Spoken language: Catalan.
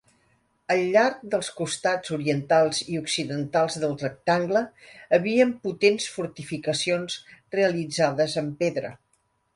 Al llarg dels costats orientals i occidentals del rectangle havien potents fortificacions realitzades en pedra.